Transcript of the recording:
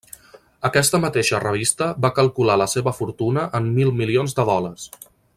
Aquesta mateixa revista va calcular la seva fortuna en mil milions de dòlars.